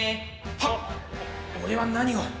はっ俺は何を。